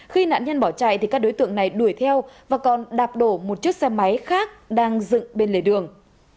khi nạn nhân bỏ chạy thì các đối tượng này đuổi theo và còn đạp đổ một chiếc xe máy khác đang dựng bên lề đường